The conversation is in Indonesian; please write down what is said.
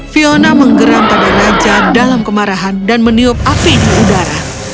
fiona menggeram pada raja dalam kemarahan dan meniup api di udara